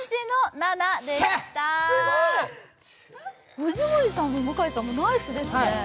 藤森さんも向井さんもナイスですね。